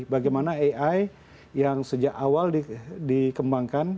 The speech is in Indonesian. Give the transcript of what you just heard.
bagaimana ai yang sejak awal dikembangkan